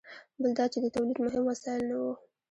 بل دا چې د تولید مهم وسایل نه وو.